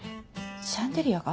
シャンデリアが？